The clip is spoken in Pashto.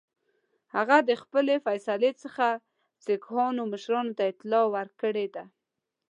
هغه د خپلي فیصلې څخه سیکهانو مشرانو ته اطلاع ورکړې ده.